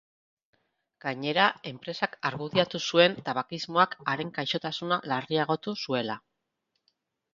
Gainera, enpresak argudiatu zuen tabakismoak haren gaixotasuna larriagotu zuela.